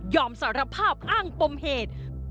สารภาพอ้างปมเหตุ